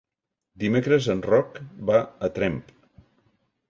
Dimecres en Roc va a Tremp.